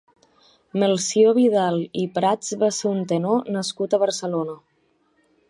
Melcior Vidal i Prats va ser un tenor nascut a Barcelona.